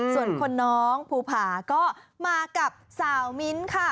ส่วนคนน้องภูผาก็มากับสาวมิ้นท์ค่ะ